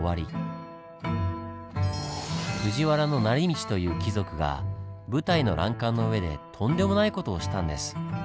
藤原成通という貴族が舞台の欄干の上でとんでもない事をしたんです。